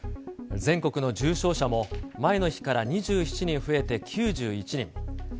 全国の重症者も、前の日から２７人増えて９１人。